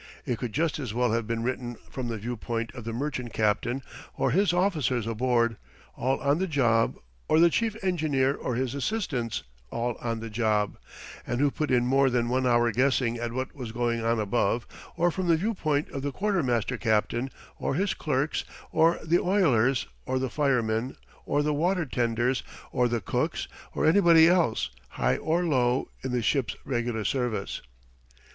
It could just as well have been written from the view point of the merchant captain or his officers aboard all on the job; or the chief engineer or his assistants all on the job, and who put in more than one hour guessing at what was going on above; or from the view point of the quartermaster captain, or his clerks, or the oilers, or the firemen, or the water tenders, or the cooks, or anybody else, high or low, in the ship's regular service.